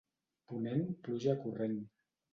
Ponent, pluja corrent.